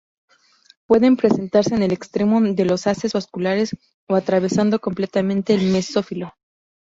Pueden presentarse en el extremo de los haces vasculares o atravesando completamente el mesófilo.